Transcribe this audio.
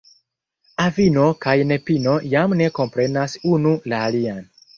Avino kaj nepino jam ne komprenas unu la alian.